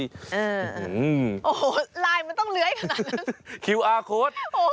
โอ้โฮไลน์มันต้องเลื้อยขนาดนั้น